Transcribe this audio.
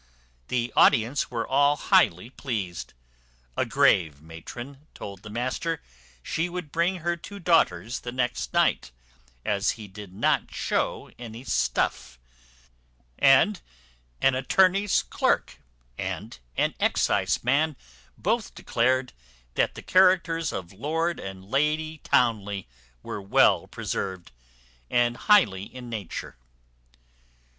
The audience were all highly pleased. A grave matron told the master she would bring her two daughters the next night, as he did not show any stuff; and an attorney's clerk and an exciseman both declared, that the characters of Lord and Lady Townley were well preserved, and highly in nature.